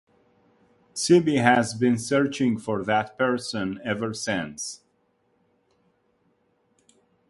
Tisbe has been searching for that person ever since.